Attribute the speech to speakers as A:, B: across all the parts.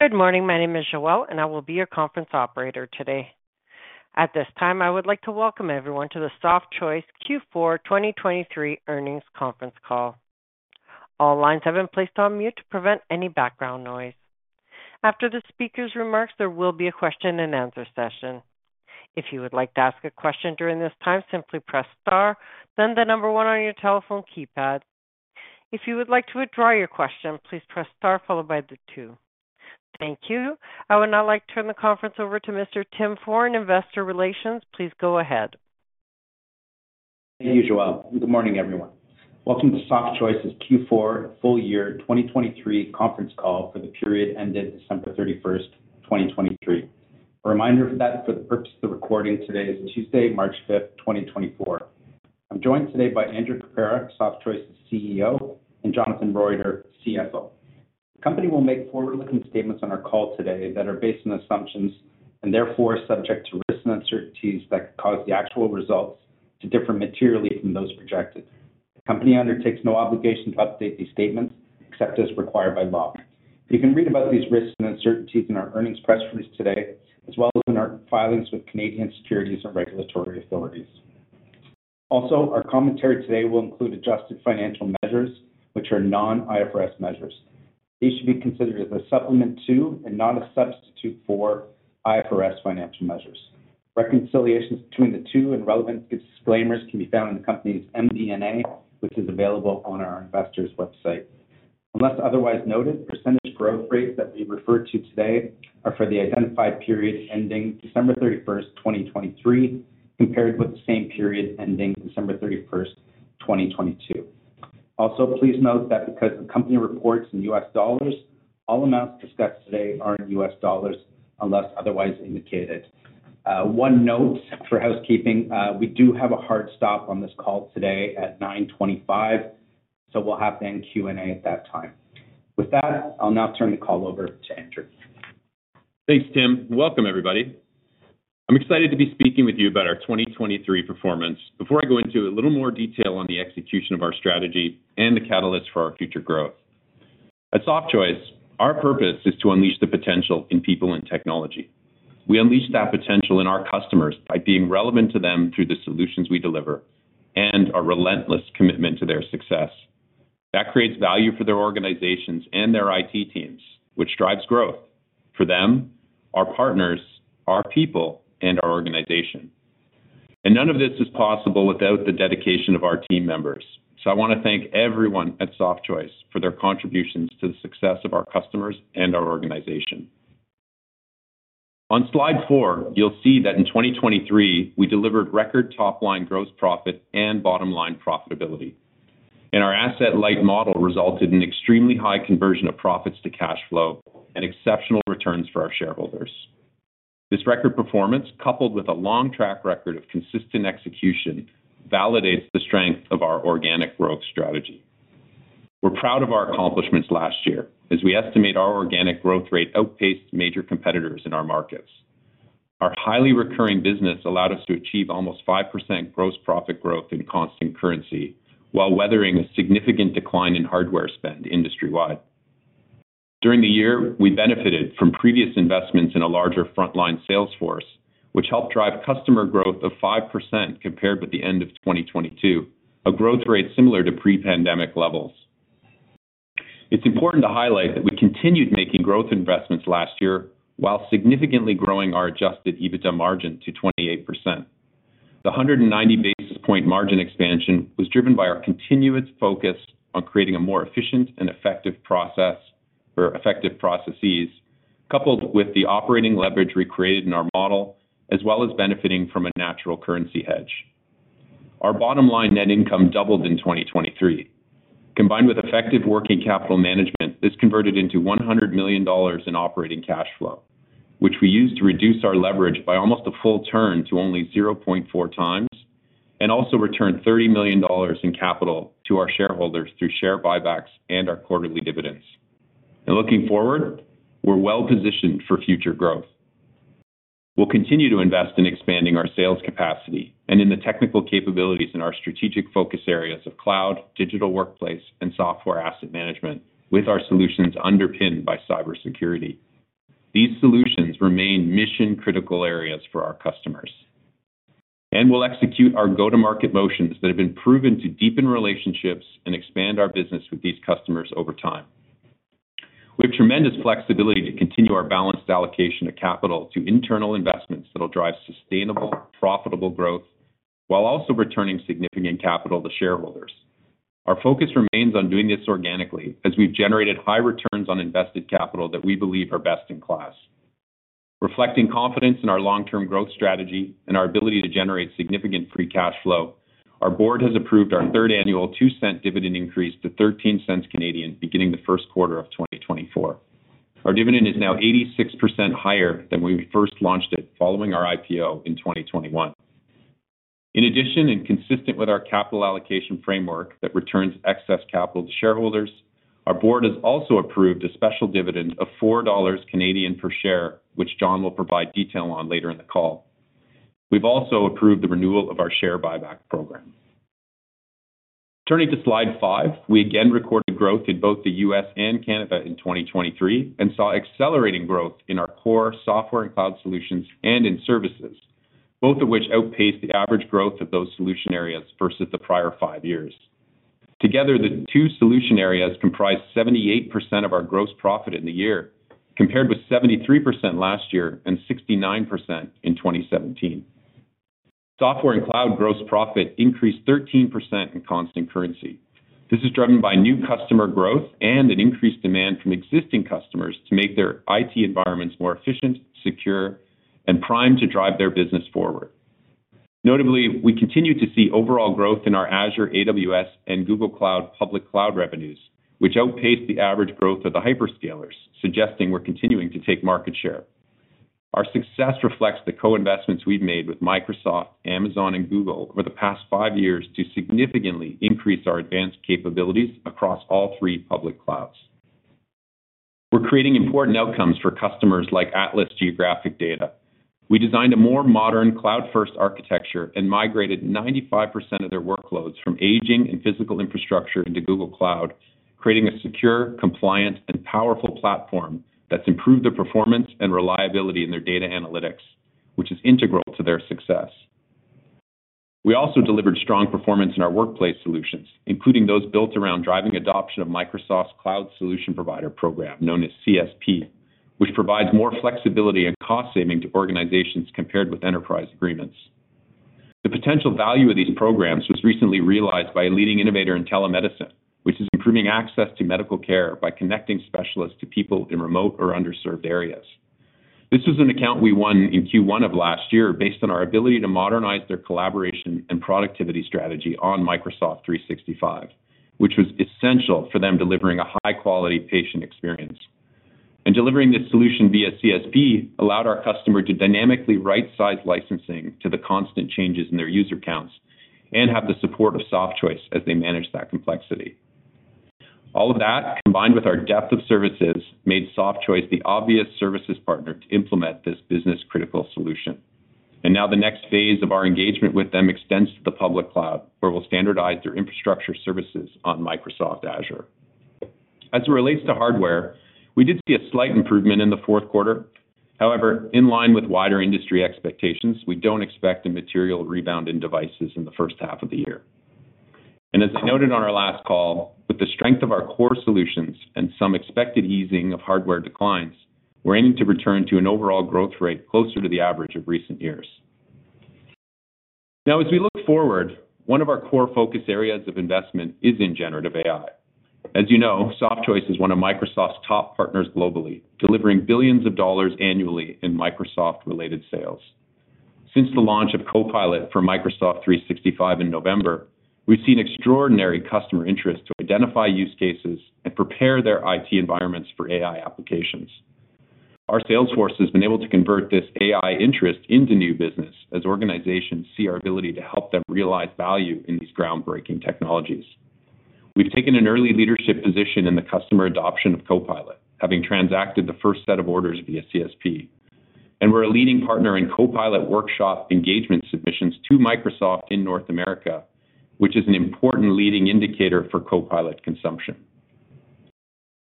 A: Good morning. My name is Joelle, and I will be your conference operator today. At this time, I would like to welcome everyone to the Softchoice Q4 2023 earnings conference call. All lines have been placed on mute to prevent any background noise. After the speaker's remarks, there will be a question-and-answer session. If you would like to ask a question during this time, simply press star, then the number one on your telephone keypad. If you would like to withdraw your question, please press star followed by the two. Thank you. I would now like to turn the conference over to Mr. Tim Foran, Investor Relations. Please go ahead.
B: Thank you, Joelle. Good morning, everyone. Welcome to Softchoice's Q4 full year 2023 conference call for the period ended December 31, 2023. A reminder that for the purpose of the recording, today is Tuesday, March 5, 2024. I'm joined today by Andrew Caprara, Softchoice's CEO, and Jonathan Taubenheim, CFO. The company will make forward-looking statements on our call today that are based on assumptions and therefore subject to risks and uncertainties that could cause the actual results to differ materially from those projected. The company undertakes no obligation to update these statements except as required by law. You can read about these risks and uncertainties in our earnings press release today, as well as in our filings with Canadian securities and regulatory authorities. Also, our commentary today will include adjusted financial measures, which are non-IFRS measures. These should be considered as a supplement to, and not a substitute for, IFRS financial measures. Reconciliations between the two and relevant disclaimers can be found in the company's MD&A, which is available on our investors' website. Unless otherwise noted, percentage growth rates that we refer to today are for the identified period ending December 31, 2023, compared with the same period ending December 31, 2022. Also, please note that because the company reports in US dollars, all amounts discussed today are in US dollars, unless otherwise indicated. One note for housekeeping, we do have a hard stop on this call today at 9:25 A.M., so we'll have to end Q&A at that time. With that, I'll now turn the call over to Andrew.
C: Thanks, Tim. Welcome, everybody. I'm excited to be speaking with you about our 2023 performance before I go into a little more detail on the execution of our strategy and the catalysts for our future growth. At Softchoice, our purpose is to unleash the potential in people and technology. We unleash that potential in our customers by being relevant to them through the solutions we deliver and a relentless commitment to their success. That creates value for their organizations and their IT teams, which drives growth for them, our partners, our people, and our organization. And none of this is possible without the dedication of our team members. So I want to thank everyone at Softchoice for their contributions to the success of our customers and our organization. On slide four, you'll see that in 2023, we delivered record top-line gross profit and bottom-line profitability, and our asset-light model resulted in extremely high conversion of profits to cash flow and exceptional returns for our shareholders. This record performance, coupled with a long track record of consistent execution, validates the strength of our organic growth strategy. We're proud of our accomplishments last year, as we estimate our organic growth rate outpaced major competitors in our markets. Our highly recurring business allowed us to achieve almost 5% gross profit growth in constant currency, while weathering a significant decline in hardware spend industry-wide. During the year, we benefited from previous investments in a larger frontline sales force, which helped drive customer growth of 5% compared with the end of 2022, a growth rate similar to pre-pandemic levels. It's important to highlight that we continued making growth investments last year while significantly growing our Adjusted EBITDA margin to 28%. The 190 basis point margin expansion was driven by our continuous focus on creating a more efficient and effective process, or effective processes, coupled with the operating leverage we created in our model, as well as benefiting from a natural currency hedge. Our bottom line net income doubled in 2023. Combined with effective working capital management, this converted into $100 million in operating cash flow, which we used to reduce our leverage by almost a full turn to only 0.4 times and also returned $30 million in capital to our shareholders through share buybacks and our quarterly dividends. And looking forward, we're well positioned for future growth. We'll continue to invest in expanding our sales capacity and in the technical capabilities in our strategic focus areas of cloud, digital workplace, and software asset management, with our solutions underpinned by cybersecurity. These solutions remain mission-critical areas for our customers, and we'll execute our go-to-market motions that have been proven to deepen relationships and expand our business with these customers over time. We have tremendous flexibility to continue our balanced allocation of capital to internal investments that will drive sustainable, profitable growth, while also returning significant capital to shareholders. Our focus remains on doing this organically, as we've generated high returns on invested capital that we believe are best-in-class. Reflecting confidence in our long-term growth strategy and our ability to generate significant free cash flow, our board has approved our third annual 2-cent dividend increase to 13 cents CAD, beginning the first quarter of 2024. Our dividend is now 86% higher than when we first launched it following our IPO in 2021. In addition, and consistent with our capital allocation framework that returns excess capital to shareholders, our board has also approved a special dividend of 4 Canadian dollars per share, which John will provide detail on later in the call. We've also approved the renewal of our share buyback program. Turning to slide five, we again recorded growth in both the U.S. and Canada in 2023, and saw accelerating growth in our core software and cloud solutions and in services, both of which outpaced the average growth of those solution areas versus the prior five years. Together, the two solution areas comprised 78% of our gross profit in the year, compared with 73% last year and 69% in 2017. Software and cloud gross profit increased 13% in constant currency. This is driven by new customer growth and an increased demand from existing customers to make their IT environments more efficient, secure, and primed to drive their business forward. Notably, we continue to see overall growth in our Azure, AWS, and Google Cloud public cloud revenues, which outpaced the average growth of the hyperscalers, suggesting we're continuing to take market share. Our success reflects the co-investments we've made with Microsoft, Amazon, and Google over the past five years to significantly increase our advanced capabilities across all three public clouds. We're creating important outcomes for customers like Altus Group. We designed a more modern cloud-first architecture and migrated 95% of their workloads from aging and physical infrastructure into Google Cloud, creating a secure, compliant, and powerful platform that's improved their performance and reliability in their data analytics, which is integral to their success. We also delivered strong performance in our workplace solutions, including those built around driving adoption of Microsoft's Cloud Solution Provider program, known as CSP, which provides more flexibility and cost saving to organizations compared with enterprise agreements. The potential value of these programs was recently realized by a leading innovator in telemedicine, which is improving access to medical care by connecting specialists to people in remote or underserved areas. This was an account we won in Q1 of last year based on our ability to modernize their collaboration and productivity strategy on Microsoft 365, which was essential for them delivering a high-quality patient experience. Delivering this solution via CSP allowed our customer to dynamically right-size licensing to the constant changes in their user counts and have the support of Softchoice as they manage that complexity. All of that, combined with our depth of services, made Softchoice the obvious services partner to implement this business-critical solution. Now the next phase of our engagement with them extends to the public cloud, where we'll standardize their infrastructure services on Microsoft Azure. As it relates to hardware, we did see a slight improvement in the fourth quarter. However, in line with wider industry expectations, we don't expect a material rebound in devices in the first half of the year. As I noted on our last call, with the strength of our core solutions and some expected easing of hardware declines, we're aiming to return to an overall growth rate closer to the average of recent years. Now, as we look forward, one of our core focus areas of investment is in generative AI. As you know, Softchoice is one of Microsoft's top partners globally, delivering $ billions annually in Microsoft-related sales. Since the launch of Copilot for Microsoft 365 in November, we've seen extraordinary customer interest to identify use cases and prepare their IT environments for AI applications. Our sales force has been able to convert this AI interest into new business as organizations see our ability to help them realize value in these groundbreaking technologies. We've taken an early leadership position in the customer adoption of Copilot, having transacted the first set of orders via CSP, and we're a leading partner in Copilot workshop engagement submissions to Microsoft in North America, which is an important leading indicator for Copilot consumption.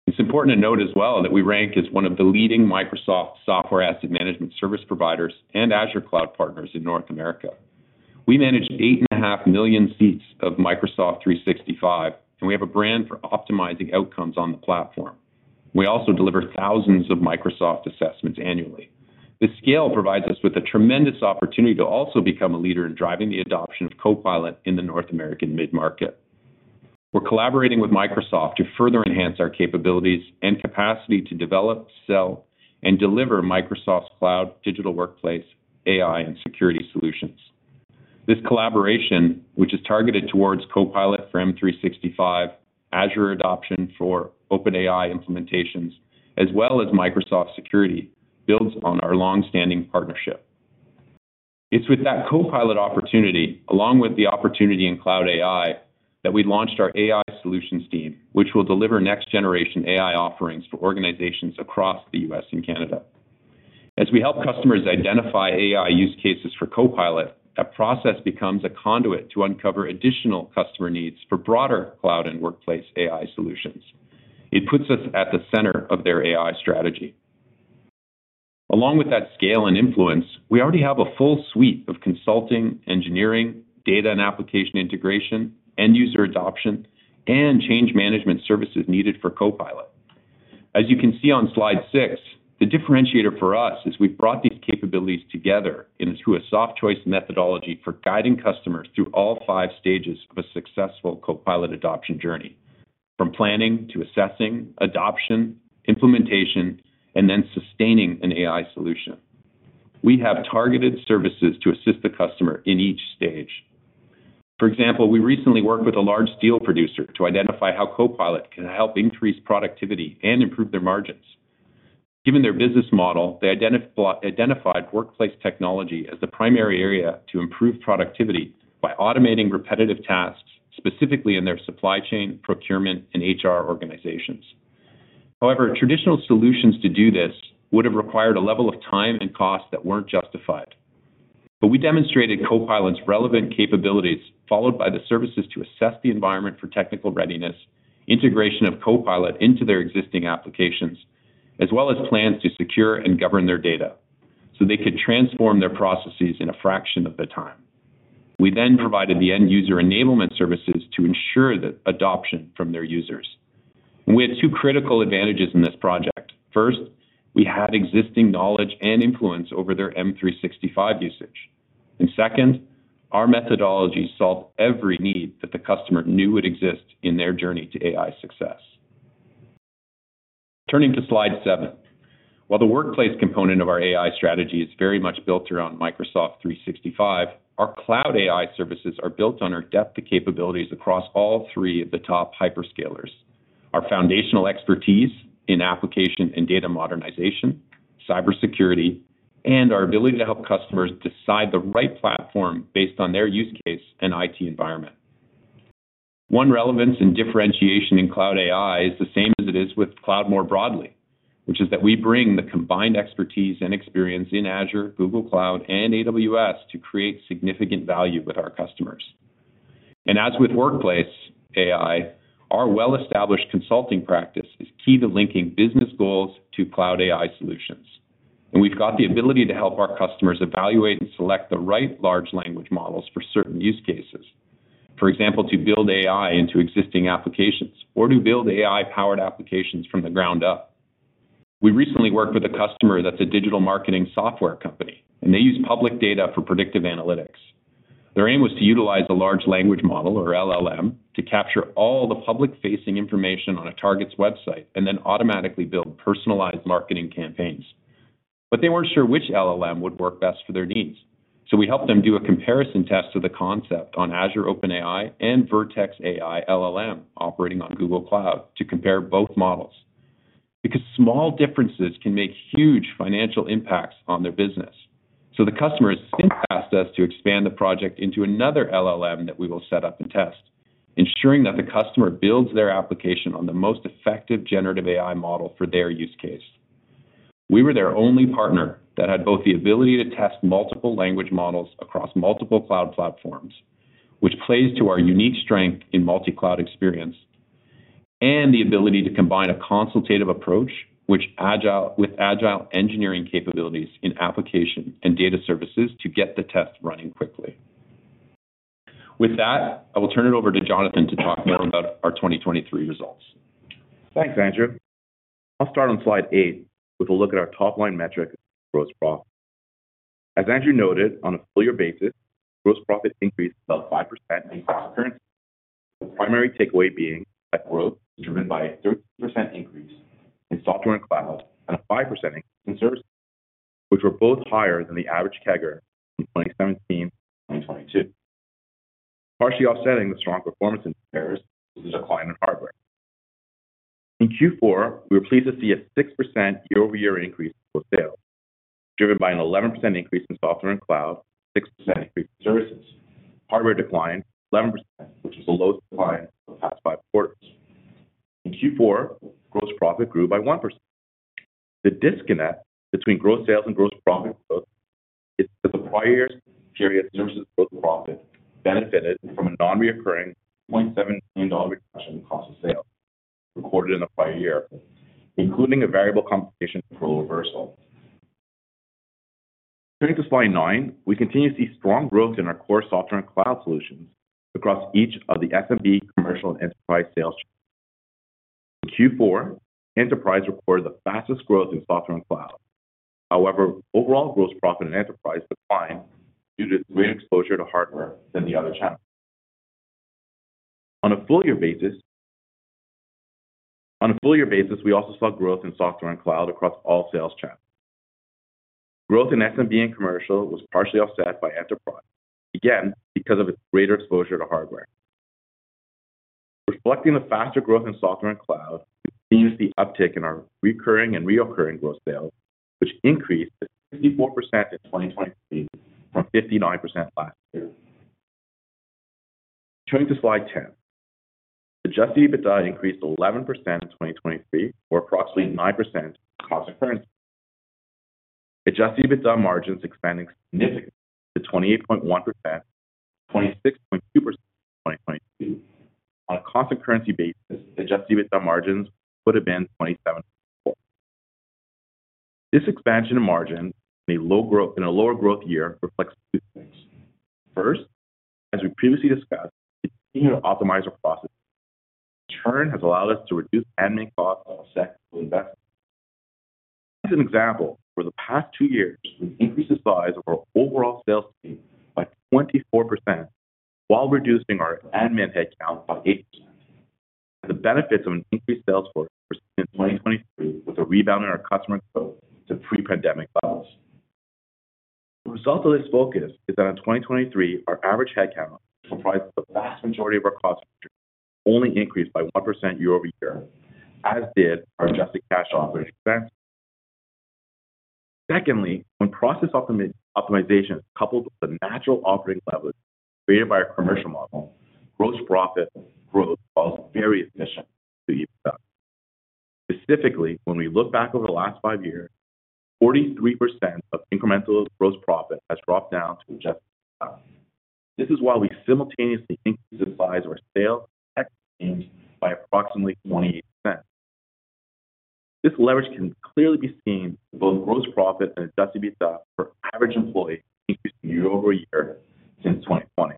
C: It's important to note as well that we rank as one of the leading Microsoft Software Asset Management service providers and Azure Cloud partners in North America. We manage 8.5 million seats of Microsoft 365, and we have a brand for optimizing outcomes on the platform. We also deliver thousands of Microsoft assessments annually. This scale provides us with a tremendous opportunity to also become a leader in driving the adoption of Copilot in the North American mid-market. We're collaborating with Microsoft to further enhance our capabilities and capacity to develop, sell, and deliver Microsoft's cloud, digital workplace, AI, and security solutions. This collaboration, which is targeted toward Copilot for M365, Azure adoption for OpenAI implementations, as well as Microsoft Security, builds on our long-standing partnership. It's with that Copilot opportunity, along with the opportunity in cloud AI, that we launched our AI solutions team, which will deliver next-generation AI offerings for organizations across the U.S. and Canada. As we help customers identify AI use cases for Copilot, that process becomes a conduit to uncover additional customer needs for broader cloud and workplace AI solutions. It puts us at the center of their AI strategy. Along with that scale and influence, we already have a full suite of consulting, engineering, data and application integration, end user adoption, and change management services needed for Copilot. As you can see on slide six, the differentiator for us is we've brought these capabilities together into a Softchoice methodology for guiding customers through all five stages of a successful Copilot adoption journey, from planning to assessing, adoption, implementation, and then sustaining an AI solution. We have targeted services to assist the customer in each stage. For example, we recently worked with a large steel producer to identify how Copilot can help increase productivity and improve their margins. Given their business model, they identified workplace technology as the primary area to improve productivity by automating repetitive tasks, specifically in their supply chain, procurement, and HR organizations. However, traditional solutions to do this would have required a level of time and cost that weren't justified. But we demonstrated Copilot's relevant capabilities, followed by the services to assess the environment for technical readiness, integration of Copilot into their existing applications, as well as plans to secure and govern their data, so they could transform their processes in a fraction of the time. We then provided the end user enablement services to ensure the adoption from their users. We had two critical advantages in this project. First, we had existing knowledge and influence over their M365 usage. And second, our methodology solved every need that the customer knew would exist in their journey to AI success. Turning to slide seven. While the workplace component of our AI strategy is very much built around Microsoft 365, our cloud AI services are built on our depth of capabilities across all three of the top hyperscalers. Our foundational expertise in application and data modernization, cybersecurity, and our ability to help customers decide the right platform based on their use case and IT environment. Our relevance and differentiation in cloud AI is the same as it is with cloud more broadly, which is that we bring the combined expertise and experience in Azure, Google Cloud, and AWS to create significant value with our customers. As with workplace AI, our well-established consulting practice is key to linking business goals to cloud AI solutions. We've got the ability to help our customers evaluate and select the right large language models for certain use cases. For example, to build AI into existing applications or to build AI-powered applications from the ground up. We recently worked with a customer that's a digital marketing software company, and they use public data for predictive analytics. Their aim was to utilize a large language model, or LLM, to capture all the public-facing information on a target's website and then automatically build personalized marketing campaigns. But they weren't sure which LLM would work best for their needs. So we helped them do a comparison test of the concept on Azure OpenAI, and Vertex AI LLM, operating on Google Cloud, to compare both models. Because small differences can make huge financial impacts on their business. So the customer has since asked us to expand the project into another LLM that we will set up and test, ensuring that the customer builds their application on the most effective generative AI model for their use case. We were their only partner that had both the ability to test multiple language models across multiple cloud platforms, which plays to our unique strength in multi-cloud experience, and the ability to combine a consultative approach with agile engineering capabilities in application and data services to get the test running quickly. With that, I will turn it over to Jonathan to talk more about our 2023 results.
D: Thanks, Andrew. I'll start on slide eight with a look at our top-line metric, gross profit. As Andrew noted, on a full year basis, gross profit increased about 5% in current currency, the primary takeaway being that growth was driven by a 13% increase in software and cloud and a 5% increase in services, which were both higher than the average CAGR from 2017 to 2022. Partially offsetting the strong performance in services was a decline in hardware. In Q4, we were pleased to see a 6% year-over-year increase in total sales, driven by an 11% increase in software and cloud, 6% increase in services. Hardware declined 11%, which is the lowest decline in the past five quarters. In Q4, gross profit grew by 1%. The disconnect between gross sales and gross profit growth is that the prior period services gross profit benefited from a non-recurring $2.7 million reduction in cost of sale recorded in the prior year, including a variable compensation flow reversal. Turning to slide nine, we continue to see strong growth in our core software and cloud solutions across each of the SMB, commercial, and enterprise sales channels. In Q4, enterprise reported the fastest growth in software and cloud. However, overall gross profit in enterprise declined due to greater exposure to hardware than the other channels. On a full year basis, on a full year basis, we also saw growth in software and cloud across all sales channels. Growth in SMB and commercial was partially offset by enterprise, again, because of its greater exposure to hardware. Reflecting the faster growth in software and cloud, we continue to see uptick in our recurring and reoccurring gross sales, which increased to 64% in 2023 from 59% last year. Turning to slide 10. Adjusted EBITDA increased 11% in 2023, or approximately 9% constant currency. Adjusted EBITDA margins expanding significantly to 28.1%, 26.2% in 2022. On a constant currency basis, adjusted EBITDA margins would have been 27.4%. This expansion of margin in a lower growth year reflects two things. First, as we previously discussed, we continue to optimize our processes. In turn, has allowed us to reduce admin costs on our stack investment. As an example, for the past two years, we increased the size of our overall sales team by 24% while reducing our admin headcount by 18%. The benefits of an increased sales force in 2023, with a rebound in our customer growth to pre-pandemic levels. The result of this focus is that in 2023, our average headcount, which comprised the vast majority of our cost, only increased by 1% year-over-year, as did our adjusted cash operation expense. Secondly, when process optimization is coupled with the natural operating leverage created by our commercial model, gross profit growth was very efficient to EBITDA. Specifically, when we look back over the last five years, 43% of incremental gross profit has dropped down to Adjusted EBITDA. This is why we simultaneously increased the size of our sales and tech teams by approximately 28%. This leverage can clearly be seen in both gross profit and adjusted EBITDA per average employee, increasing year-over-year since 2020.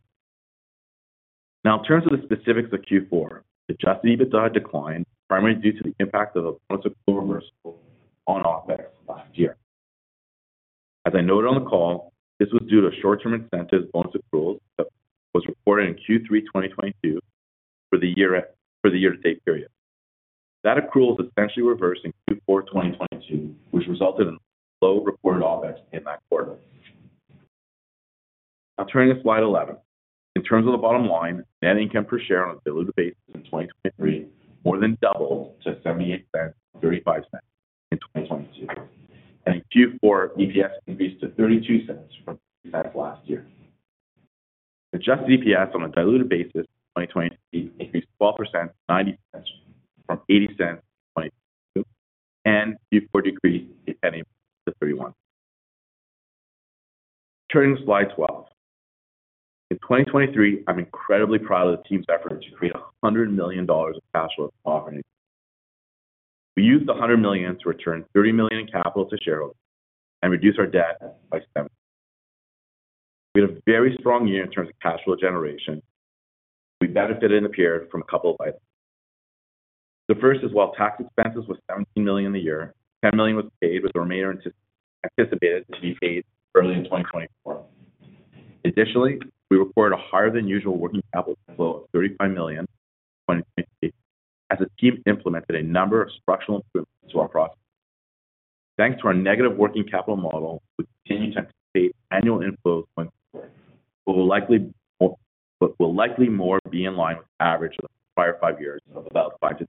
D: Now, in terms of the specifics of Q4, adjusted EBITDA declined, primarily due to the impact of a bonus accrual reversal on OpEx last year. As I noted on the call, this was due to short-term incentive bonus accruals that was reported in Q3 2022 for the year, for the year-to-date period. That accrual is essentially reversed in Q4 2022, which resulted in low reported OpEx in that quarter. Now, turning to slide 11. In terms of the bottom line, net income per share on a diluted basis in 2023 more than doubled to $0.78 from $0.35 in 2022, and Q4 EPS increased to $0.32 from last year. Adjusted EPS on a diluted basis in 2023 increased 12% to $0.90 from $0.80 in 2022, and Q4 decreased to $0.31. Turning to slide 12. In 2023, I'm incredibly proud of the team's efforts to create $100 million of cash flow from operating. We used the $100 million to return $30 million in capital to shareholders and reduce our debt by $7 million. We had a very strong year in terms of cash flow generation. We benefited in the period from a couple of items. The first is, while tax expenses was $17 million in the year, $10 million was paid, with the remainder anticipated to be paid early in 2024. Additionally, we recorded a higher than usual working capital flow of $35 million in 2023, as the team implemented a number of structural improvements to our process. Thanks to our negative working capital model, we continue to anticipate annual inflows, but will likely be in line with the average of the prior five years of about $5-$6.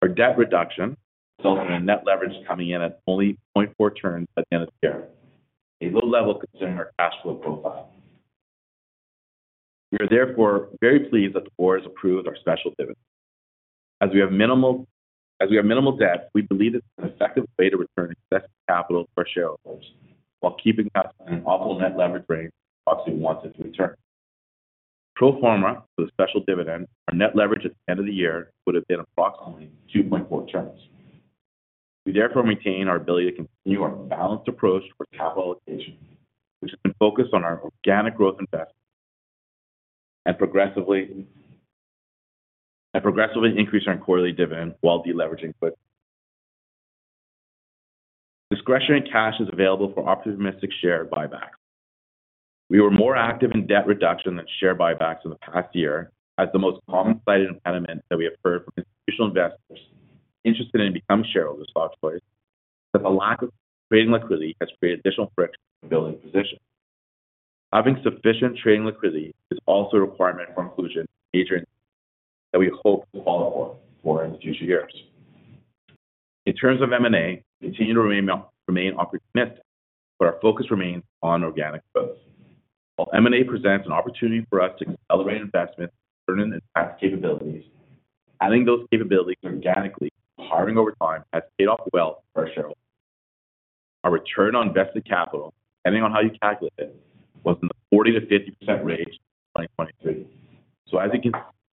D: Our debt reduction resulted in a net leverage coming in at only 0.4 turns at the end of the year, a low level considering our cash flow profile. We are therefore very pleased that the board has approved our special dividend. As we have minimal debt, we believe it's an effective way to return excess capital to our shareholders while keeping us at an optimal net leverage rate, approximately 1 to 3turns. Pro forma for the special dividend, our net leverage at the end of the year would have been approximately 2.4 turns. We therefore maintain our ability to continue our balanced approach for capital allocation, which has been focused on our organic growth investments and progressively increase our quarterly dividend while de-leveraging, but discretionary cash is available for opportunistic share buybacks. We were more active in debt reduction than share buybacks in the past year, as the most common cited impediment that we have heard from institutional investors interested in becoming shareholders of Softchoice, that the lack of trading liquidity has created additional friction in building position. Having sufficient trading liquidity is also a requirement for inclusion in major indices, that we hope to qualify for in the future years. In terms of M&A, we continue to remain opportunistic, but our focus remains on organic growth. While M&A presents an opportunity for us to accelerate investment, learning, and past capabilities, adding those capabilities organically, hiring over time has paid off well for our shareholders. Our return on invested capital, depending on how you calculate it, was in the 40%-50% range in 2023. So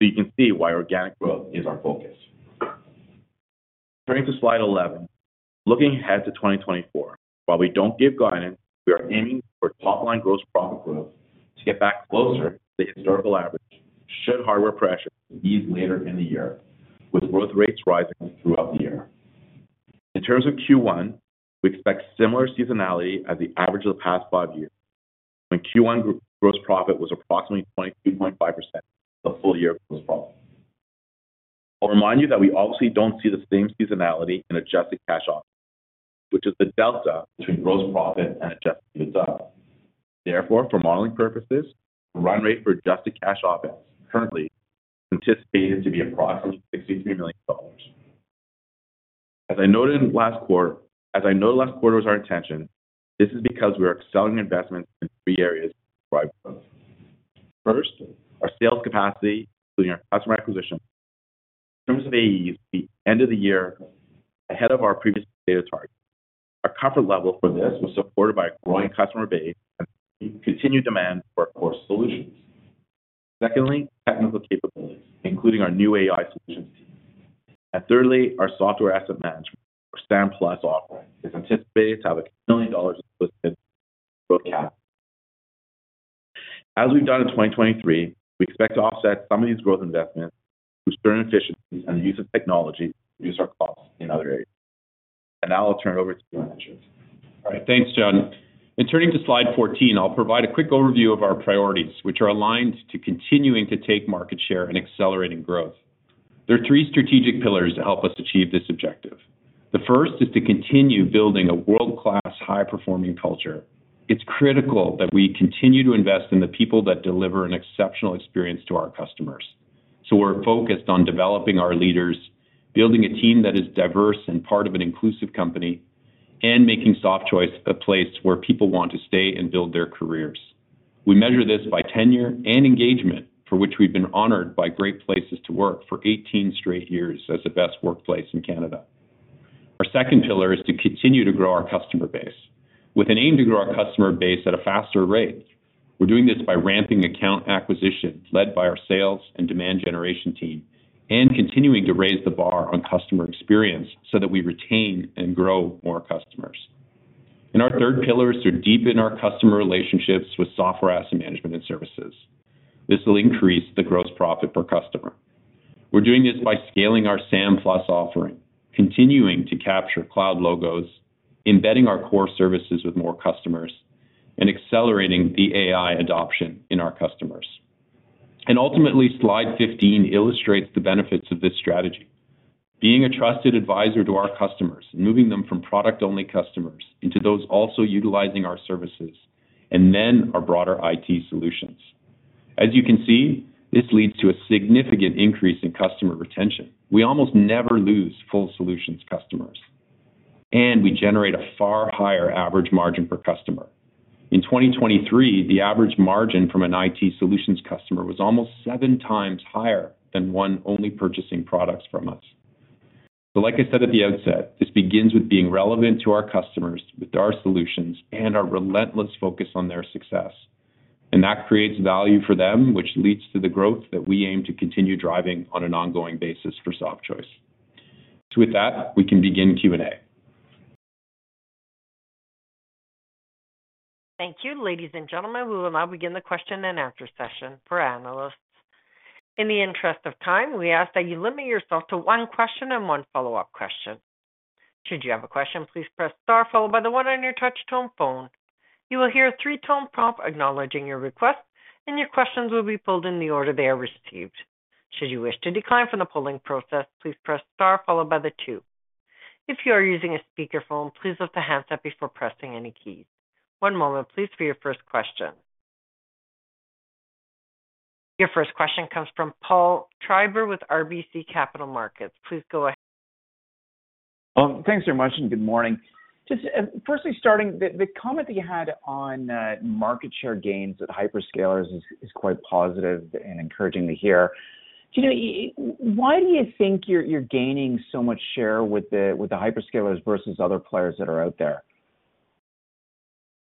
D: you can see why organic growth is our focus. Turning to slide 11. Looking ahead to 2024, while we don't give guidance, we are aiming for top-line gross profit growth to get back closer to the historical average, should hardware pressure ease later in the year, with growth rates rising throughout the year. In terms of Q1, we expect similar seasonality as the average of the past five years, when Q1 gross profit was approximately 22.5% of full year gross profit. I'll remind you that we obviously don't see the same seasonality in adjusted cash OpEx, which is the delta between gross profit and adjusted EBITDA. Therefore, for modeling purposes, run rate for adjusted cash OpEx currently anticipated to be approximately $63 million. As I noted in last quarter, as I noted last quarter was our intention, this is because we are accelerating investments in three areas to drive growth. First, our sales capacity, including our customer acquisition. In terms of AE, the end of the year ahead of our previous data target. Our comfort level for this was supported by a growing customer base and continued demand for our solutions. Secondly, technical capabilities, including our new AI solutions. And thirdly, our software asset management or SAM+ offering, is anticipated to have $1 million in booking. As we've done in 2023, we expect to offset some of these growth investments through certain efficiencies and the use of technology to reduce our costs in other areas. Now I'll turn it over to Andrew.
C: All right, thanks, John. In turning to slide 14, I'll provide a quick overview of our priorities, which are aligned to continuing to take market share and accelerating growth. There are three strategic pillars to help us achieve this objective. The first is to continue building a world-class, high-performing culture. It's critical that we continue to invest in the people that deliver an exceptional experience to our customers. So we're focused on developing our leaders, building a team that is diverse and part of an inclusive company, and making Softchoice a place where people want to stay and build their careers. We measure this by tenure and engagement, for which we've been honored by Great Place to Work for 18 straight years as the best workplace in Canada. Our second pillar is to continue to grow our customer base, with an aim to grow our customer base at a faster rate. We're doing this by ramping account acquisitions led by our sales and demand generation team, and continuing to raise the bar on customer experience so that we retain and grow more customers. Our third pillar is to deepen our customer relationships with software asset management and services. This will increase the gross profit per customer. We're doing this by scaling our SAM+ offering, continuing to capture cloud logos, embedding our core services with more customers, and accelerating the AI adoption in our customers. Ultimately, slide 15 illustrates the benefits of this strategy. Being a trusted advisor to our customers, moving them from product-only customers into those also utilizing our services, and then our broader IT solutions. As you can see, this leads to a significant increase in customer retention. We almost never lose full solutions customers, and we generate a far higher average margin per customer. In 2023, the average margin from an IT solutions customer was almost seven times higher than one only purchasing products from us. So like I said at the outset, this begins with being relevant to our customers, with our solutions and our relentless focus on their success. And that creates value for them, which leads to the growth that we aim to continue driving on an ongoing basis for Softchoice. So with that, we can begin Q&A.
A: Thank you, ladies and gentlemen. We will now begin the question and answer session for analysts. In the interest of time, we ask that you limit yourself to one question and one follow-up question. Should you have a question, please press star followed by the one on your touch tone phone. You will hear a three-tone prompt acknowledging your request, and your questions will be pulled in the order they are received. Should you wish to decline from the polling process, please press star followed by the two. If you are using a speakerphone, please lift the handset before pressing any keys. One moment, please, for your first question. Your first question comes from Paul Treiber with RBC Capital Markets. Please go ahead.
E: Thanks very much, and good morning. Just, firstly, starting the comment that you had on market share gains with hyperscalers is quite positive and encouraging to hear. Do you know why do you think you're gaining so much share with the hyperscalers versus other players that are out there?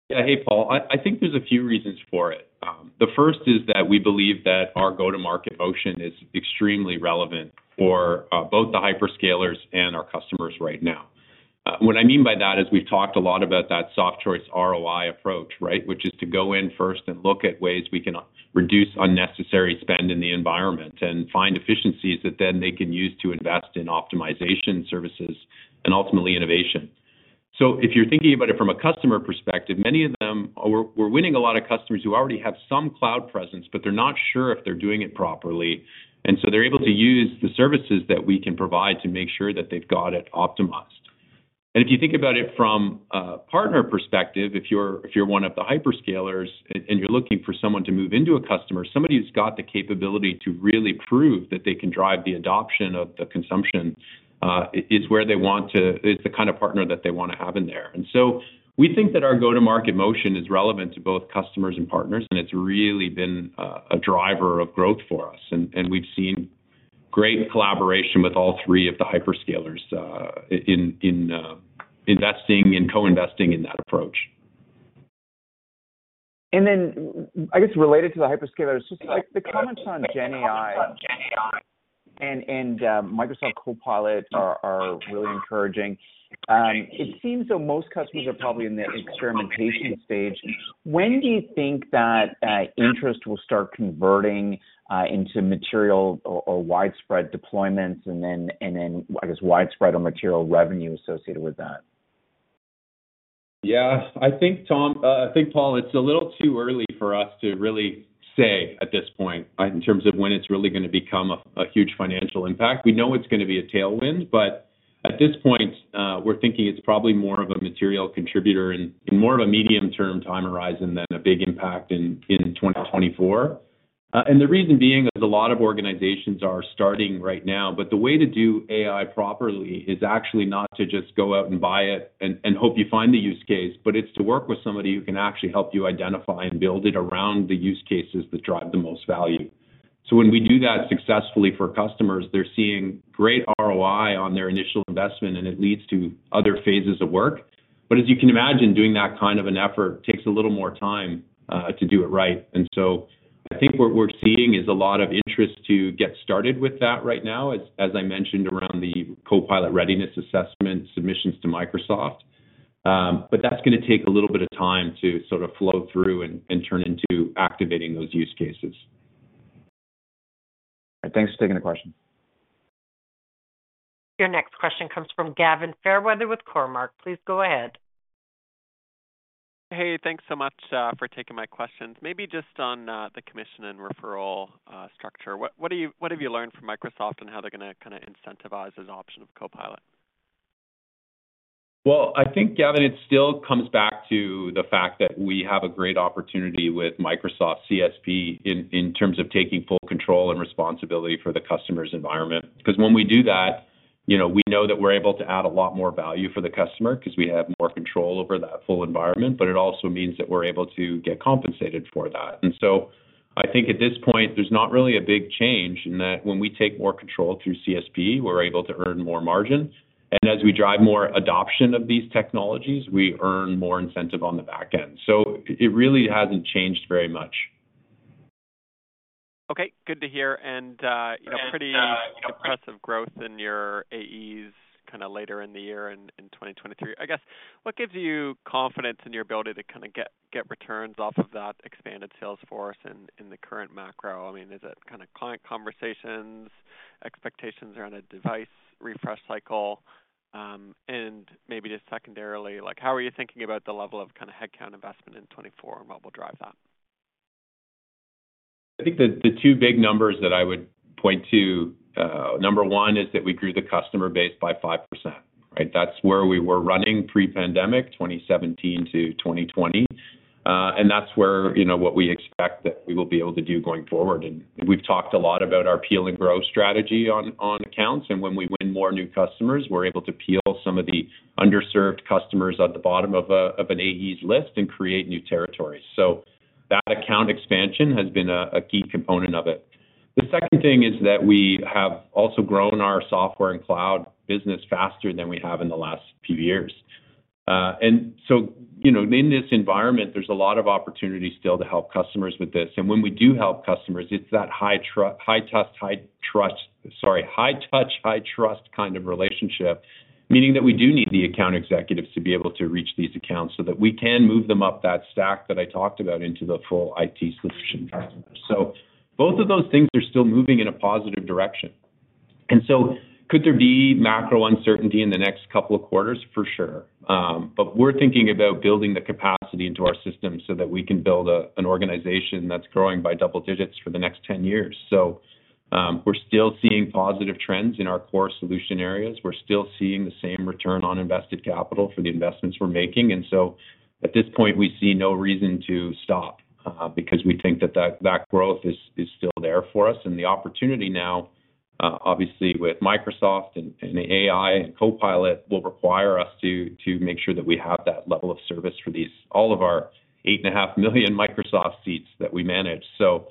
C: Yeah. Hey, Paul. I think there's a few reasons for it. The first is that we believe that our go-to-market motion is extremely relevant for both the hyperscalers and our customers right now. What I mean by that is we've talked a lot about that Softchoice ROI approach, right? Which is to go in first and look at ways we can reduce unnecessary spend in the environment, and find efficiencies that then they can use to invest in optimization services and ultimately innovation. So if you're thinking about it from a customer perspective, many of them. We're winning a lot of customers who already have some cloud presence, but they're not sure if they're doing it properly, and so they're able to use the services that we can provide to make sure that they've got it optimized. And if you think about it from a partner perspective, if you're one of the hyperscalers and you're looking for someone to move into a customer, somebody who's got the capability to really prove that they can drive the adoption of the consumption, is where they want to... It's the kind of partner that they want to have in there. And so we think that our go-to-market motion is relevant to both customers and partners, and it's really been a driver of growth for us. And we've seen great collaboration with all three of the hyperscalers in investing and co-investing in that approach.
E: And then, I guess, related to the hyperscalers, just like the comments on GenAI and Microsoft Copilot are really encouraging. It seems, though, most customers are probably in the experimentation stage. When do you think that interest will start converting into material or widespread deployments and then I guess widespread or material revenue associated with that?
C: Yeah. I think, Tom, I think, Paul, it's a little too early for us to really say at this point, in terms of when it's really gonna become a huge financial impact. We know it's gonna be a tailwind, but at this point, we're thinking it's probably more of a material contributor and more of a medium-term time horizon than a big impact in 2024. And the reason being is a lot of organizations are starting right now, but the way to do AI properly is actually not to just go out and buy it and hope you find the use case, but it's to work with somebody who can actually help you identify and build it around the use cases that drive the most value. So when we do that successfully for customers, they're seeing great ROI on their initial investment, and it leads to other phases of work. But as you can imagine, doing that kind of an effort takes a little more time to do it right. And so I think what we're seeing is a lot of interest to get started with that right now, as I mentioned, around the Copilot readiness assessment submissions to Microsoft. But that's gonna take a little bit of time to sort of flow through and turn into activating those use cases. Thanks for taking the question.
A: Your next question comes from Gavin Fairweather with Cormark. Please go ahead.
F: Hey, thanks so much for taking my questions. Maybe just on the commission and referral structure, what have you learned from Microsoft and how they're gonna kinda incentivize this option of Copilot?
C: Well, I think, Gavin, it still comes back to the fact that we have a great opportunity with Microsoft CSP in terms of taking full control and responsibility for the customer's environment. Because when we do that, you know, we know that we're able to add a lot more value for the customer, 'cause we have more control over that full environment, but it also means that we're able to get compensated for that. And so I think at this point, there's not really a big change in that when we take more control through CSP, we're able to earn more margin. And as we drive more adoption of these technologies, we earn more incentive on the back end. So it really hasn't changed very much.
F: Okay, good to hear. And, you know, pretty impressive growth in your AEs kind of later in the year in 2023. I guess, what gives you confidence in your ability to kinda get, get returns off of that expanded sales force in the current macro? I mean, is it kind of client conversations, expectations around a device refresh cycle? And maybe just secondarily, like, how are you thinking about the level of kind of headcount investment in 2024, and what will drive that?
C: I think the two big numbers that I would point to, number one is that we grew the customer base by 5%, right? That's where we were running pre-pandemic, 2017 to 2020. And that's where, you know, what we expect that we will be able to do going forward. And we've talked a lot about our peel and grow strategy on accounts, and when we win more new customers, we're able to peel some of the underserved customers at the bottom of a- of an AE's list and create new territories. So that account expansion has been a key component of it. The second thing is that we have also grown our software and cloud business faster than we have in the last few years. And so, you know, in this environment, there's a lot of opportunity still to help customers with this. And when we do help customers, it's that high touch, high trust kind of relationship, meaning that we do need the account executives to be able to reach these accounts, so that we can move them up that stack that I talked about into the full IT solution customer. So both of those things are still moving in a positive direction. And so could there be macro uncertainty in the next couple of quarters? For sure. But we're thinking about building the capacity into our system so that we can build an organization that's growing by double digits for the next 10 years. So, we're still seeing positive trends in our core solution areas. We're still seeing the same return on invested capital for the investments we're making. And so at this point, we see no reason to stop, because we think that that growth is still there for us. And the opportunity now, obviously with Microsoft and AI and Copilot, will require us to make sure that we have that level of service for all of our 8.5 million Microsoft seats that we manage. So,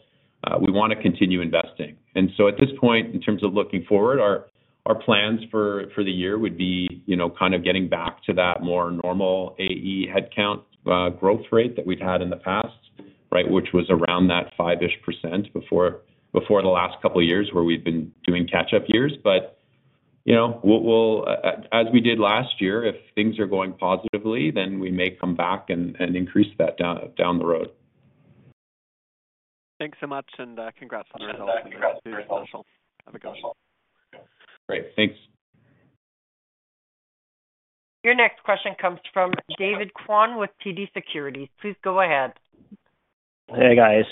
C: we wanna continue investing. And so at this point, in terms of looking forward, our plans for the year would be, you know, kind of getting back to that more normal AE headcount growth rate that we've had in the past, right? Which was around that 5-ish% before, before the last couple of years, where we've been doing catch-up years. But, you know, we'll as we did last year, if things are going positively, then we may come back and increase that down the road.
F: Thanks so much, and, congrats on-
C: Congrats. Great. Thanks.
A: Your next question comes from David Kwan with TD Securities. Please go ahead.
G: Hey, guys.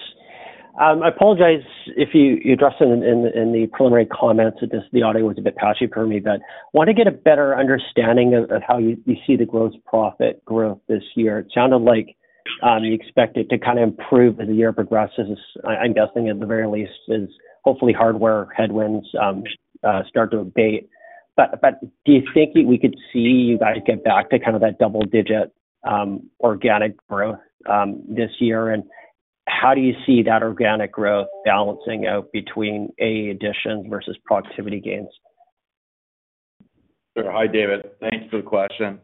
G: I apologize if you addressed it in the preliminary comments, that just the audio was a bit patchy for me. But want to get a better understanding of how you see the gross profit growth this year. It sounded like you expect it to kind of improve as the year progresses. I'm guessing at the very least, is hopefully hardware headwinds start to abate. But do you think we could see you guys get back to kind of that double digit organic growth this year? And how do you see that organic growth balancing out between AE additions versus productivity gains?
D: Sure. Hi, David. Thanks for the question.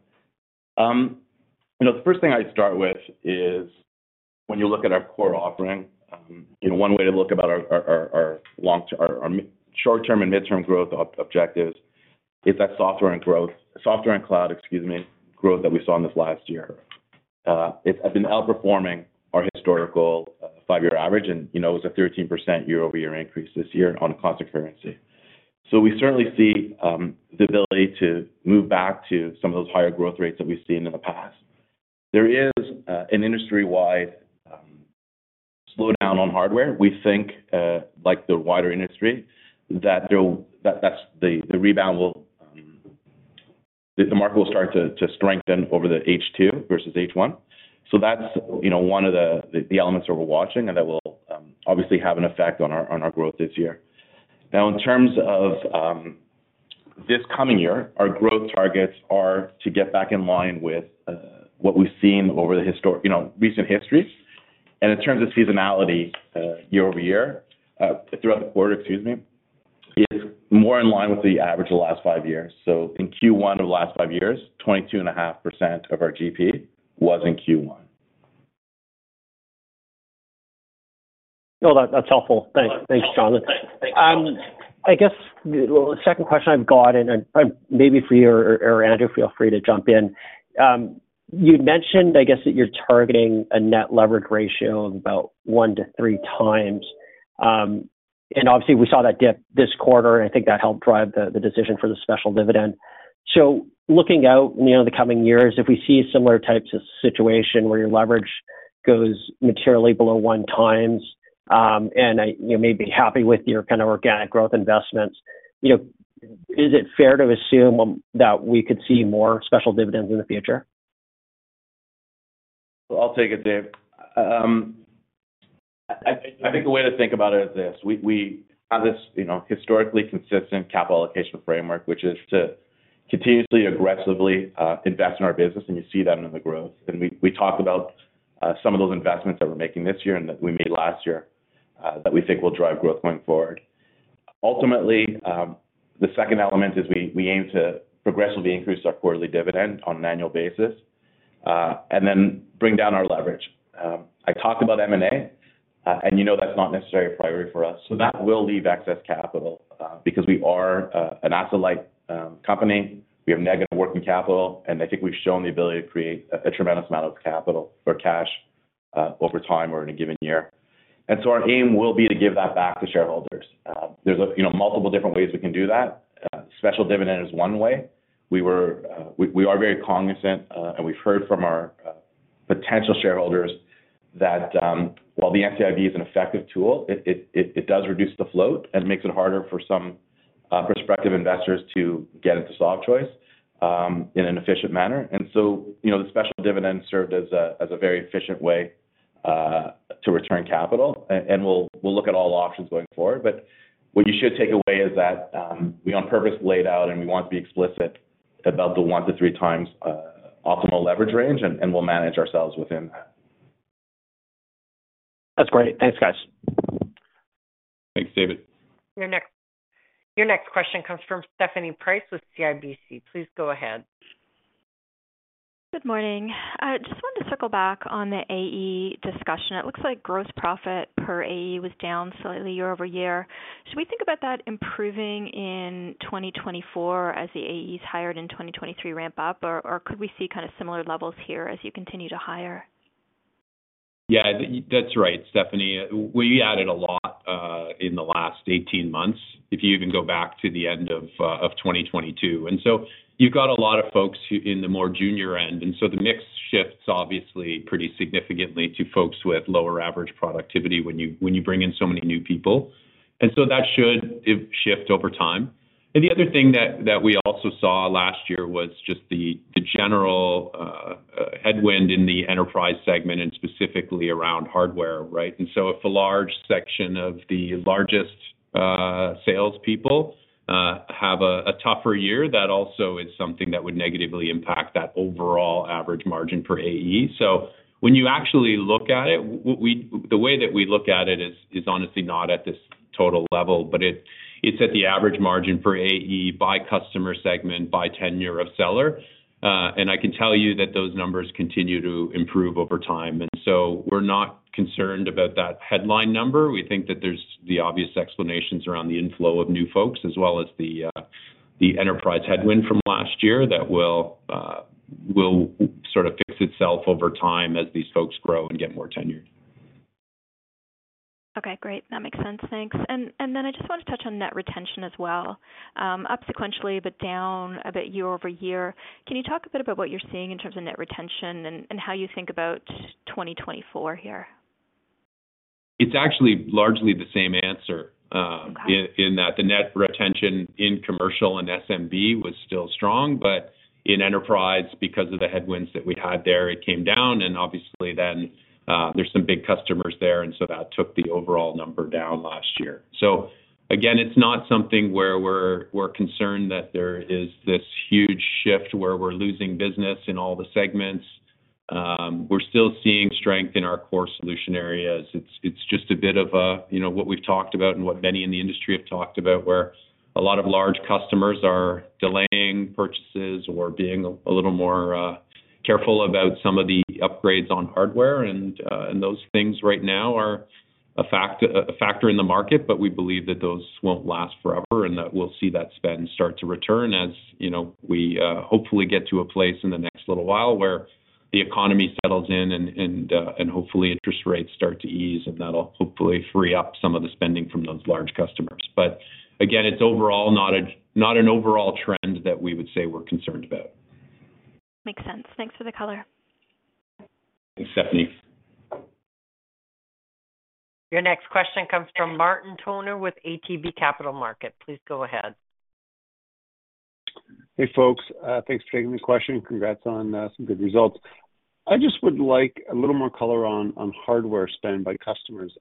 D: You know, the first thing I'd start with is, when you look at our core offering, you know, one way to look at our short-term and midterm growth objectives is that software and cloud growth that we saw in this last year. It's been outperforming our historical five-year average, and, you know, it was a 13% year-over-year increase this year on a constant currency. So we certainly see the ability to move back to some of those higher growth rates that we've seen in the past. There is an industry-wide slowdown on hardware. We think, like the wider industry, that the rebound will, the market will start to strengthen over the H2 versus H1. So that's, you know, one of the elements that we're watching and that will obviously have an effect on our growth this year. Now, in terms of this coming year, our growth targets are to get back in line with what we've seen over the historic, you know, recent history. And in terms of seasonality, year over year, throughout the quarter, excuse me, is more in line with the average of the last five years. So in Q1 of the last five years, 22.5% of our GP was in Q1.
G: No, that's helpful. Thanks. Thanks, Sean. I guess the second question I've got, and maybe for you or Andrew, feel free to jump in. You'd mentioned, I guess, that you're targeting a net leverage ratio of about one-three times. And obviously, we saw that dip this quarter, and I think that helped drive the decision for the special dividend. So looking out, you know, the coming years, if we see similar types of situation where your leverage goes materially below 1 times, and you may be happy with your kind of organic growth investments, you know, is it fair to assume that we could see more special dividends in the future? ...
C: I'll take it, Dave. I think the way to think about it is this: we have this, you know, historically consistent capital allocation framework, which is to continuously, aggressively, invest in our business, and you see that in the growth. And we talked about some of those investments that we're making this year and that we made last year, that we think will drive growth going forward. Ultimately, the second element is we aim to progressively increase our quarterly dividend on an annual basis, and then bring down our leverage. I talked about M&A, and you know that's not necessarily a priority for us. So that will leave excess capital, because we are an asset-light company. We have negative working capital, and I think we've shown the ability to create a tremendous amount of capital or cash over time or in a given year. And so our aim will be to give that back to shareholders. There’s, you know, multiple different ways we can do that. Special dividend is one way. We are very cognizant and we've heard from our potential shareholders that while the NCIB is an effective tool, it does reduce the float and makes it harder for some prospective investors to get into Softchoice in an efficient manner. And so, you know, the special dividend served as a very efficient way to return capital. And we'll look at all options going forward. What you should take away is that we on purpose laid out, and we want to be explicit about the one-three times optimal leverage range, and we'll manage ourselves within that.
G: That's great. Thanks, guys.
C: Thanks, David.
A: Your next, your next question comes from Stephanie Price with CIBC. Please go ahead.
H: Good morning. I just wanted to circle back on the AE discussion. It looks like gross profit per AE was down slightly year-over-year. Should we think about that improving in 2024 as the AEs hired in 2023 ramp up, or could we see kind of similar levels here as you continue to hire?
C: Yeah, that's right, Stephanie. We added a lot in the last 18 months, if you even go back to the end of 2022. And so you've got a lot of folks in the more junior end, and so the mix shifts, obviously, pretty significantly to folks with lower average productivity when you bring in so many new people. And so that should shift over time. And the other thing that we also saw last year was just the general headwind in the enterprise segment and specifically around hardware, right? And so if a large section of the largest salespeople have a tougher year, that also is something that would negatively impact that overall average margin for AE. So when you actually look at it, we, the way that we look at it is honestly not at this total level, but it's at the average margin for AE by customer segment, by tenure of seller. And I can tell you that those numbers continue to improve over time, and so we're not concerned about that headline number. We think that there's the obvious explanations around the inflow of new folks, as well as the enterprise headwind from last year that will sort of fix itself over time as these folks grow and get more tenured.
H: Okay, great. That makes sense. Thanks. And then I just want to touch on net retention as well, up sequentially, but down a bit year over year. Can you talk a bit about what you're seeing in terms of net retention and how you think about 2024 here?
C: It's actually largely the same answer.
H: Okay...
C: that the net retention in commercial and SMB was still strong, but in enterprise, because of the headwinds that we'd had there, it came down. And obviously then, there's some big customers there, and so that took the overall number down last year. So again, it's not something where we're concerned that there is this huge shift where we're losing business in all the segments. We're still seeing strength in our core solution areas. It's just a bit of a, you know, what we've talked about and what many in the industry have talked about, where a lot of large customers are delaying purchases or being a little more careful about some of the upgrades on hardware. Those things right now are a factor in the market, but we believe that those won't last forever, and that we'll see that spend start to return, as, you know, we hopefully get to a place in the next little while, where the economy settles in and hopefully interest rates start to ease, and that'll hopefully free up some of the spending from those large customers. But again, it's overall not an overall trend that we would say we're concerned about.
H: Makes sense. Thanks for the color.
C: Thanks, Stephanie.
A: Your next question comes from Martin Toner with ATB Capital Markets. Please go ahead.
I: Hey, folks. Thanks for taking the question. Congrats on some good results. I just would like a little more color on hardware spend by customers.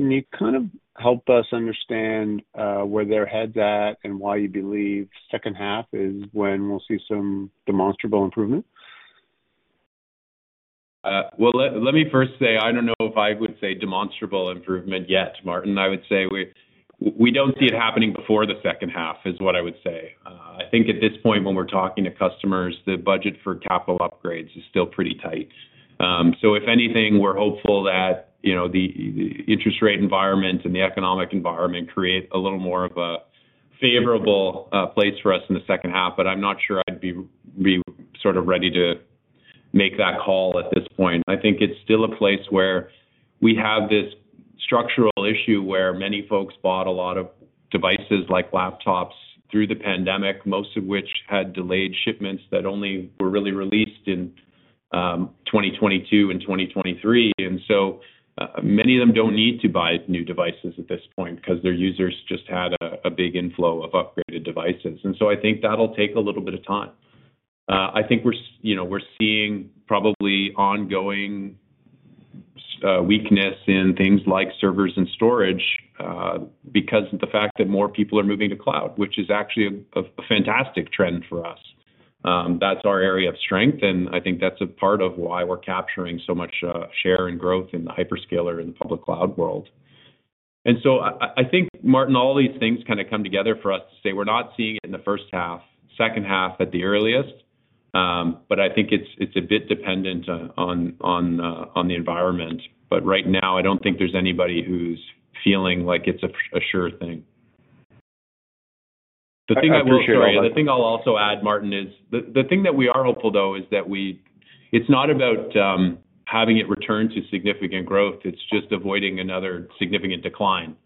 I: Can you kind of help us understand where their head's at and why you believe second half is when we'll see some demonstrable improvement?
D: Well, let me first say, I don't know if I would say demonstrable improvement yet, Martin. I would say we don't see it happening before the second half, is what I would say. I think at this point, when we're talking to customers, the budget for capital upgrades is still pretty tight. So if anything, we're hopeful that, you know, the interest rate environment and the economic environment create a little more of a favorable place for us in the second half, but I'm not sure I'd be sort of ready to make that call at this point. I think it's still a place where we have this structural issue where many folks bought a lot of devices, like laptops, through the pandemic, most of which had delayed shipments that only were really released in 2022 and 2023. And so, many of them don't need to buy new devices at this point because their users just had a big inflow of upgraded devices. And so I think that'll take a little bit of time. I think we're you know, we're seeing probably ongoing weakness in things like servers and storage, because of the fact that more people are moving to cloud, which is actually a fantastic trend for us. That's our area of strength, and I think that's a part of why we're capturing so much share and growth in the hyperscaler and public cloud world. And so I think, Martin, all these things kind of come together for us to say we're not seeing it in the first half, second half at the earliest. But I think it's a bit dependent on the environment. But right now, I don't think there's anybody who's feeling like it's a sure thing.
C: The thing I will also-
I: Sure.
J: The thing I'll also add, Martin, is the thing that we are hopeful, though, is that we, it's not about having it return to significant growth, it's just avoiding another significant decline.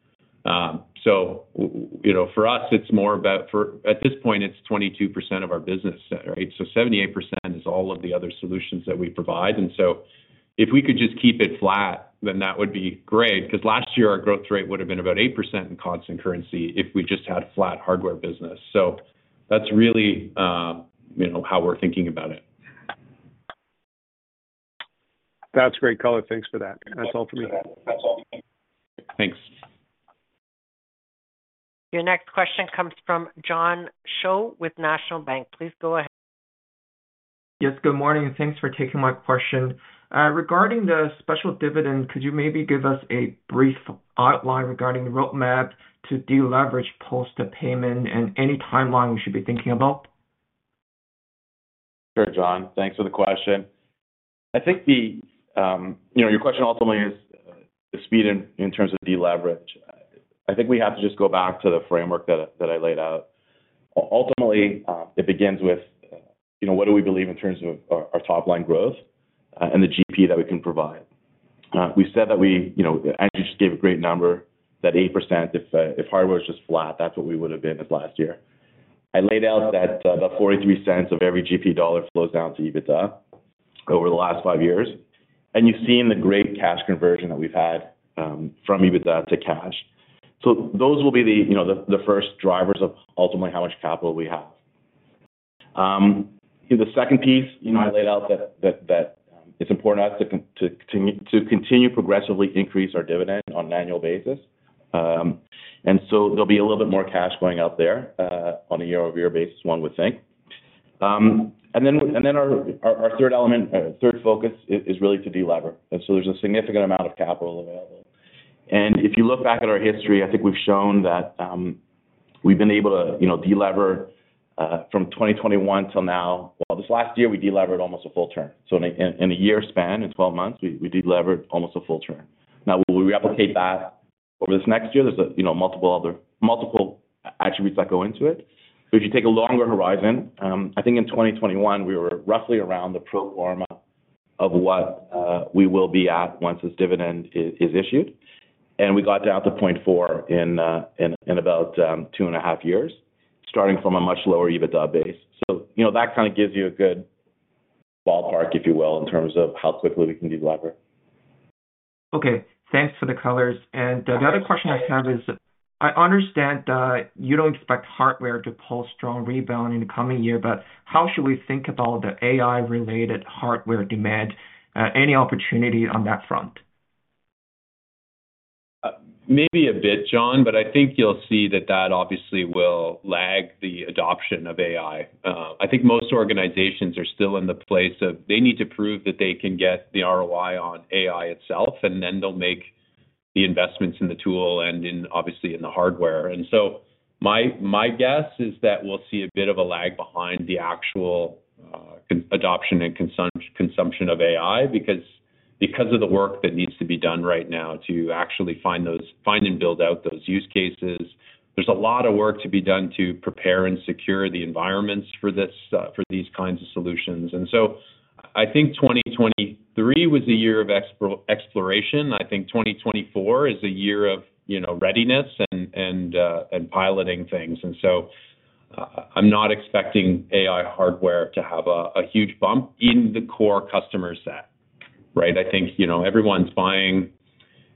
J: So you know, for us, it's more about for... At this point, it's 22% of our business, right? So 78% is all of the other solutions that we provide. And so if we could just keep it flat, then that would be great. Because last year, our growth rate would have been about 8% in constant currency if we just had flat hardware business. So that's really, you know, how we're thinking about it.
I: That's great color. Thanks for that. That's all for me. That's all.
C: Thanks.
A: Your next question comes from John Tse with National Bank. Please go ahead.
K: Yes, good morning, and thanks for taking my question. Regarding the special dividend, could you maybe give us a brief outline regarding the roadmap to deleverage post the payment and any timeline we should be thinking about?
D: Sure, John. Thanks for the question. I think the you know, your question ultimately is the speed in terms of deleverage. I think we have to just go back to the framework that I laid out. Ultimately it begins with you know, what do we believe in terms of our top line growth and the GP that we can provide? We said that. You know, Andrew just gave a great number, that 8%, if hardware is just flat, that's what we would have been this last year. I laid out that about $0.43 of every GP dollar flows down to EBITDA over the last 5 years, and you've seen the great cash conversion that we've had from EBITDA to cash. So those will be the, you know, the first drivers of ultimately how much capital we have. In the second piece, you know, I laid out that it's important to us to continue progressively increase our dividend on an annual basis. And so there'll be a little bit more cash going out there on a year-over-year basis, one would think. And then our third element, third focus is really to delever. And so there's a significant amount of capital available. And if you look back at our history, I think we've shown that we've been able to, you know, delever from 2021 till now. Well, this last year, we delevered almost a full term. So in a year's span, in 12 months, we delevered almost a full turn. Now, will we replicate that over this next year? There's, you know, multiple other multiple attributes that go into it. But if you take a longer horizon, I think in 2021, we were roughly around the pro forma of what we will be at once this dividend is issued. And we got down to 0.4 in about 2.5 years, starting from a much lower EBITDA base. So, you know, that kind of gives you a good ballpark, if you will, in terms of how quickly we can delever.
K: Okay, thanks for the colors. The other question I have is, I understand that you don't expect hardware to pull strong rebound in the coming year, but how should we think about the AI-related hardware demand? Any opportunity on that front?
C: Maybe a bit, John, but I think you'll see that that obviously will lag the adoption of AI. I think most organizations are still in the place of they need to prove that they can get the ROI on AI itself, and then they'll make the investments in the tool and in, obviously, in the hardware. And so my guess is that we'll see a bit of a lag behind the actual adoption and consumption of AI, because of the work that needs to be done right now to actually find those-- find and build out those use cases. There's a lot of work to be done to prepare and secure the environments for this, for these kinds of solutions. And so I think 2023 was a year of exploration. I think 2024 is a year of, you know, readiness and piloting things. So, I'm not expecting AI hardware to have a huge bump in the core customer set, right? I think, you know, everyone's buying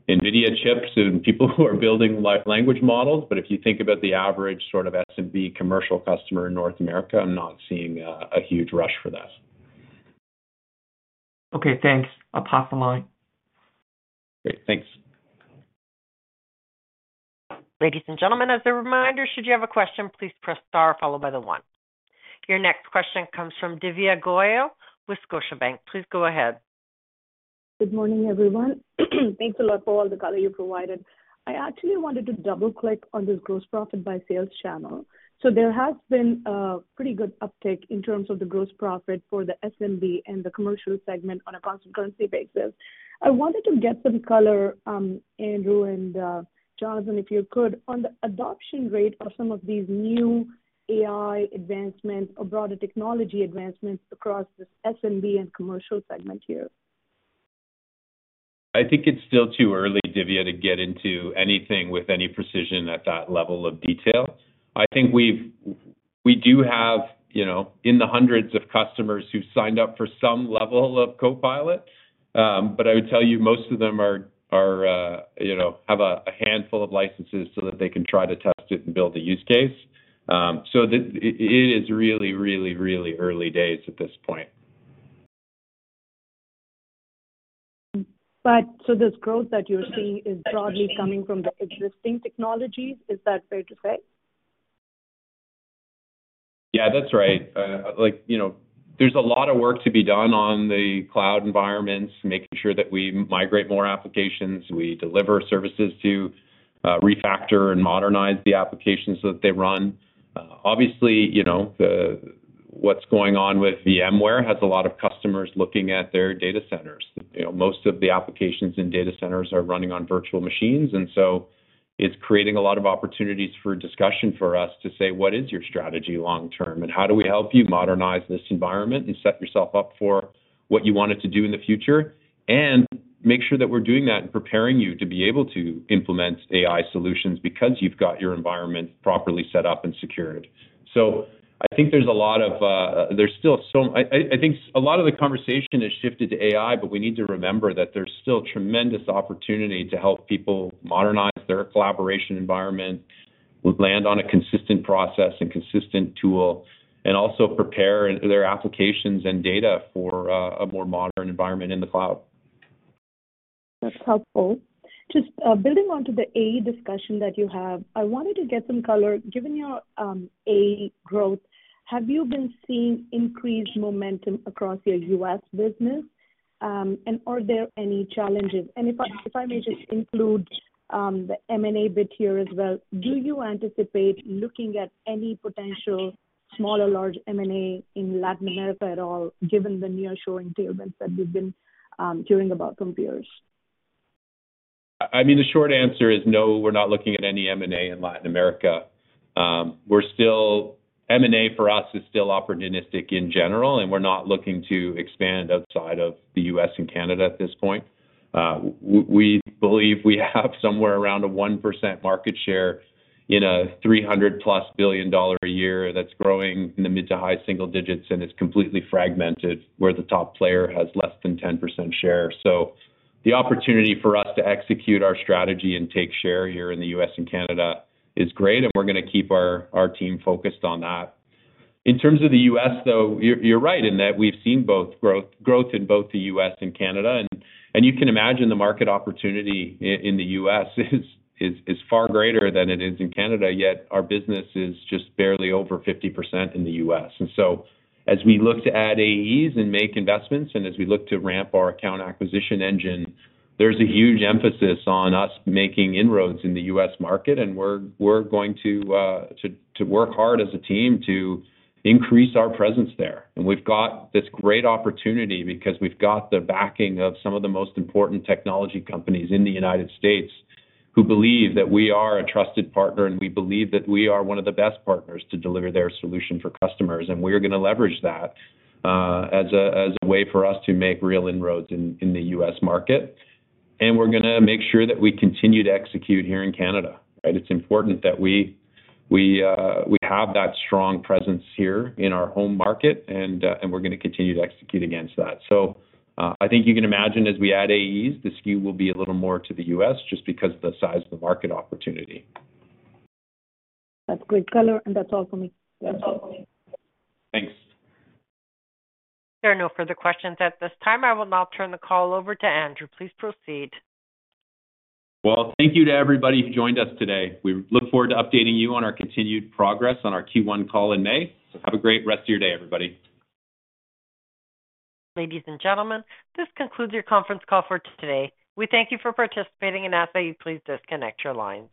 C: NVIDIA chips and people who are building large language models, but if you think about the average sort of SMB commercial customer in North America, I'm not seeing a huge rush for this.
K: Okay, thanks. I'll pass the line.
C: Great. Thanks.
A: Ladies and gentlemen, as a reminder, should you have a question, please press star followed by one. Your next question comes from Divya Goyal with Scotiabank. Please go ahead.
J: Good morning, everyone. Thanks a lot for all the color you provided. I actually wanted to double-click on this gross profit by sales channel. There has been a pretty good uptick in terms of the gross profit for the SMB and the commercial segment on a constant currency basis. I wanted to get some color, Andrew and, Jonathan, if you could, on the adoption rate of some of these new AI advancements or broader technology advancements across the SMB and commercial segment here.
C: I think it's still too early, Divya, to get into anything with any precision at that level of detail. I think we've, we do have, you know, in the hundreds of customers who've signed up for some level of Copilot, but I would tell you, most of them, you know, have a handful of licenses so that they can try to test it and build a use case. So it is really, really, really early days at this point.
J: This growth that you're seeing is broadly coming from the existing technologies? Is that fair to say?
C: Yeah, that's right. Like, you know, there's a lot of work to be done on the cloud environments, making sure that we migrate more applications, we deliver services to, refactor and modernize the applications that they run. Obviously, you know, the, what's going on with VMware has a lot of customers looking at their data centers. You know, most of the applications in data centers are running on virtual machines, and so it's creating a lot of opportunities for discussion for us to say: What is your strategy long term, and how do we help you modernize this environment and set yourself up for what you want it to do in the future? And make sure that we're doing that and preparing you to be able to implement AI solutions because you've got your environment properly set up and secured. So I think there's a lot of, there's still I think a lot of the conversation has shifted to AI, but we need to remember that there's still tremendous opportunity to help people modernize their collaboration environment, land on a consistent process and consistent tool, and also prepare their applications and data for a more modern environment in the cloud.
J: That's helpful. Just building onto the AE discussion that you have, I wanted to get some color. Given your AE growth, have you been seeing increased momentum across your US business? And are there any challenges? And if I may just include the M&A bit here as well, do you anticipate looking at any potential, small or large M&A in Latin America at all, given the nearshore entailments that we've been hearing about from peers?
C: I mean, the short answer is no, we're not looking at any M&A in Latin America. We're still M&A for us is still opportunistic in general, and we're not looking to expand outside of the U.S. and Canada at this point. We believe we have somewhere around a 1% market share in a $300+ billion a year that's growing in the mid- to high-single digits, and it's completely fragmented, where the top player has less than 10% share. So the opportunity for us to execute our strategy and take share here in the U.S. and Canada is great, and we're gonna keep our team focused on that. In terms of the U.S., though, you're right in that we've seen growth in both the U.S. and Canada. You can imagine the market opportunity in the U.S. is far greater than it is in Canada, yet our business is just barely over 50% in the U.S. And so as we look to add AEs and make investments, and as we look to ramp our account acquisition engine, there's a huge emphasis on us making inroads in the US market, and we're going to work hard as a team to increase our presence there. And we've got this great opportunity because we've got the backing of some of the most important technology companies in the United States, who believe that we are a trusted partner, and we believe that we are one of the best partners to deliver their solution for customers. And we're gonna leverage that, as a, as a way for us to make real inroads in the US market. And we're gonna make sure that we continue to execute here in Canada, right? It's important that we have that strong presence here in our home market, and we're gonna continue to execute against that. So, I think you can imagine, as we add AEs, the skew will be a little more to the U.S., just because of the size of the market opportunity.
J: That's great color, and that's all for me.
C: Thanks.
A: There are no further questions at this time. I will now turn the call over to Andrew. Please proceed.
C: Well, thank you to everybody who joined us today. We look forward to updating you on our continued progress on our Q1 call in May. Have a great rest of your day, everybody.
A: Ladies and gentlemen, this concludes your conference call for today. We thank you for participating and ask that you please disconnect your lines.